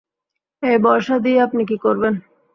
এ বর্শা দিয়ে আপনি কী করেন?